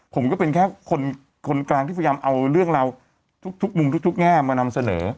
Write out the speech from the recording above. ผมก็เป็นแค่คนกลางที่พยายามเอาเรื่องราวทุกมุมทุกแง่มานำเสนอ